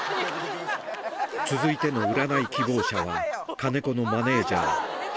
続いての占い希望者は、金子のマネージャー、林。